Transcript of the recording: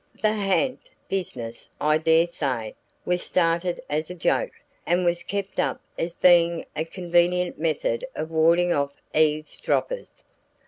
The ha'nt business, I dare say, was started as a joke, and was kept up as being a convenient method of warding off eavesdroppers.